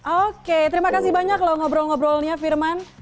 oke terima kasih banyak loh ngobrol ngobrolnya firman